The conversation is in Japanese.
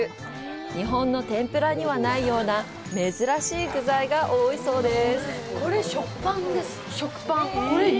日本の天ぷらにはないような珍しい具材が多いそうです！